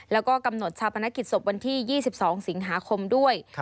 แล้วก็กำหนดชาปนกิจศพวันที่๒๒สิงหาคมด้วย